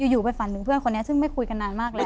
อยู่ไปฝันถึงเพื่อนคนนี้ซึ่งไม่คุยกันนานมากแล้ว